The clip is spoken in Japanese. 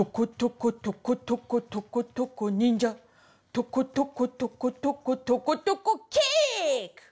「とことことことことことこキック！」